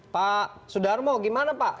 pak sudarmo gimana pak